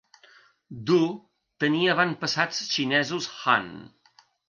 Du tenia avantpassats xinesos Han.